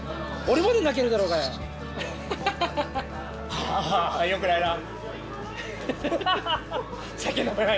ああよくないな！